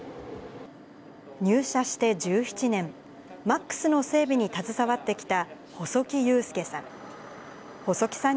入社して１７年、Ｍａｘの整備に携わってきた細木雄介さん。